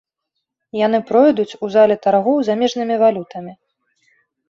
Яны пройдуць у зале таргоў замежнымі валютамі.